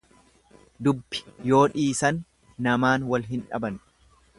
Dubbi yoo dhiisan namaan wal hin dhaban.